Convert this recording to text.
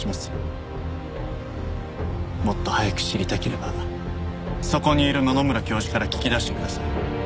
もっと早く知りたければそこにいる野々村教授から聞き出してください。